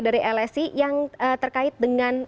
dari lsi yang terkait dengan